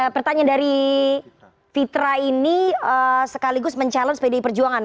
pertanyaan dari fitra ini sekaligus men challenge pdi perjuangan